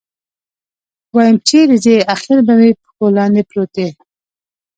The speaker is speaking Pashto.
ويم چېرې ځې اخېر به مې پښو لاندې پروت يې.